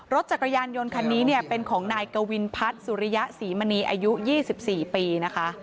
รถจักรยานยนต์คันนี้เนี่ยเป็นของนายกวินพัฒน์สุริยะศรีมณีอายุ๒๔ปีนะคะ